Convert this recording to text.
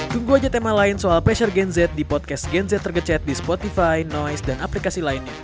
tunggu aja tema lain soal pleasure gencet di podcast gencet tergecet di spotify noise dan aplikasi lainnya